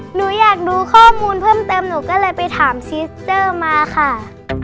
หนูอยากดูข้อมูลเพิ่มเติมหนูก็เลยไปถามซีสเตอร์มาค่ะ